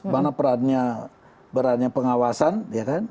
mana perannya pengawasan ya kan